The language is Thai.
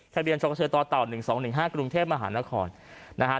ทะเบียนชกเชยต่อเต่า๑๒๑๕กรุงเทพมหานครนะฮะ